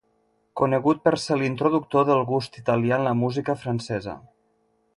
Conegut per ser l'introductor del gust italià en la música francesa.